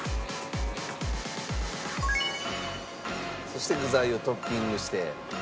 そして具材をトッピングして。